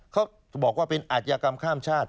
เขาบอกว่าเป็นอาชญากรรมข้ามชาติ